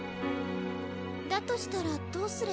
だとしたらどうすれば。